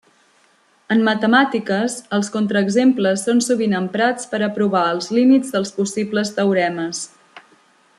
En matemàtiques, els contraexemples són sovint emprats per a provar els límits dels possibles teoremes.